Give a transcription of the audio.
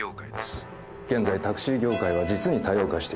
現在タクシー業界は実に多様化しています。